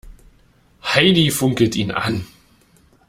Heidi funkelt ihn an.